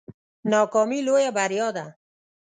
ناکامي لویه بریا ده